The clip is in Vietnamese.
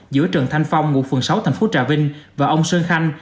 giữa trần thanh phong ngụ phường sáu thành phố trà vinh và ông sơn khanh